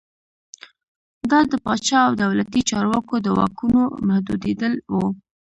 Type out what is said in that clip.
دا د پاچا او دولتي چارواکو د واکونو محدودېدل و.